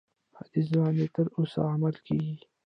حدیث باندي تر اوسه عمل کیږي.